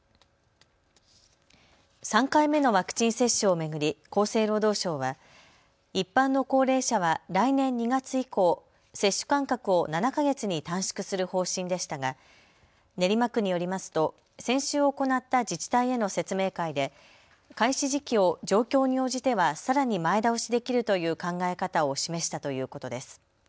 ３回目のワクチン接種を巡り、厚生労働省は一般の高齢者は来年２月以降、接種間隔を７か月に短縮する方針でしたが練馬区によりますと先週行った自治体への説明会で開始時期を状況に応じてはさらに前倒しできるという考え方を示したということです。